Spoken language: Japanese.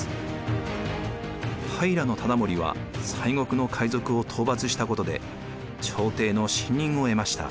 平忠盛は西国の海賊を討伐したことで朝廷の信任を得ました。